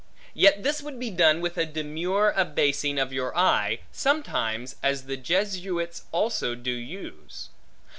Yet this would be done with a demure abasing of your eye, sometimes, as the Jesuits also do use.